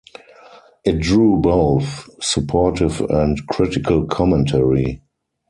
It drew both supportive and critical commentary.